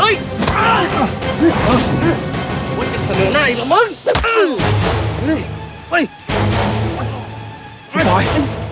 เฮ้ยกูพลลุย